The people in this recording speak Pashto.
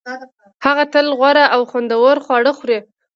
هغه تل غوره او خوندور خواړه خوري